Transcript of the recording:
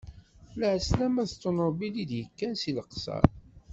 Lɛeslama s ṭunubil, i d-yekkan seg Leqser.